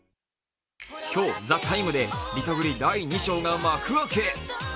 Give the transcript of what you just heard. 今日、「ＴＨＥＴＩＭＥ，」でリトグリ第２章が幕開け。